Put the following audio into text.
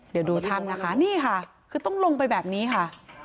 เดี๋ยวดูถ้ำนะคะนี่ค่ะคือต้องลงไปแบบนี้ค่ะ